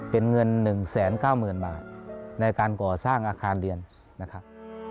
เป็นเงิน๑๙๐๐๐๐บาทในการก่อสร้างอาคารเรียนนะครับ